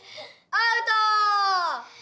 アウト！